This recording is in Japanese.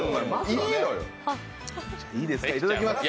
いいですか、いただきます。